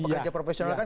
atau pekerja profesional